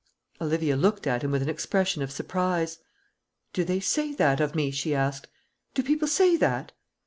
Olivia looked at him with an expression of surprise. "Do they say that of me?" she asked. "Do people say that?"